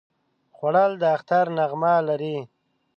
خوړل د اختر نغمه لري